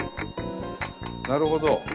なるほど。